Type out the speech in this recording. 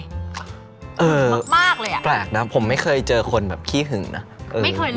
มากเลยอ่ะแบรนด์น่ะผมไม่เคยเจอคนขี้หึงนะ